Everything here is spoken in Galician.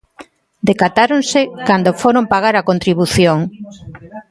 Decatáronse cando foron pagar a contribución.